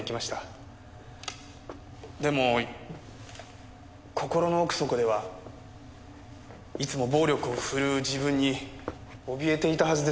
でも心の奥底ではいつも暴力を振るう自分におびえていたはずです。